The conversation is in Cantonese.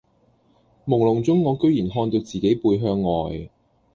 朦朧中我居然看到自己背向外